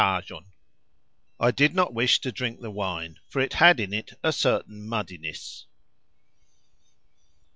I did not wish to drink the wine, for it had in it a certain muddiness.